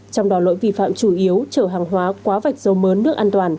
trong đó lỗi vi phạm chủ yếu trở hàng hóa quá vạch dấu mớ nước an toàn